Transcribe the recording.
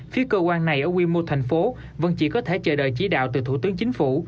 phía cơ quan này ở quy mô thành phố vẫn chỉ có thể chờ đợi chỉ đạo từ thủ tướng chính phủ